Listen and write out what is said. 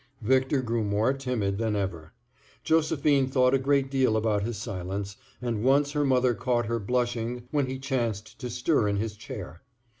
Victor grew more timid than ever. Josephine thought a great deal about his silence, and once her mother caught her blushing when he chanced to stir in his chair.